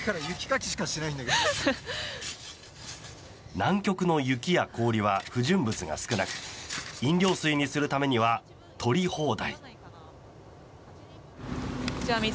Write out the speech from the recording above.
南極の雪や氷は不純物が少なく飲料水にするためには取り放題。